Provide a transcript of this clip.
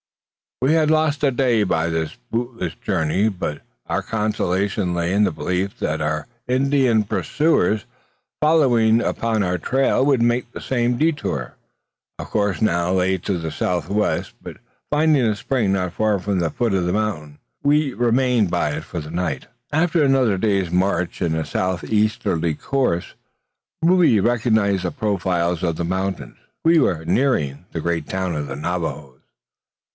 We had lost a day by this bootless journey; but our consolation lay in the belief that our Indian pursuers, following upon our trail, would make the same detour. Our course now lay to the south west; but finding a spring not far from the foot of the mountain, we remained by it for the night. After another day's march in a south easterly course, Rube recognised the profiles of the mountains. We were nearing the great town of the Navajoes.